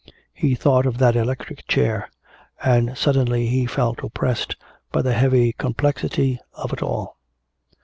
He thought of that electric chair, and suddenly he felt oppressed by the heavy complexity of it all.